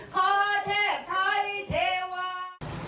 ขอแทบไทยเทวา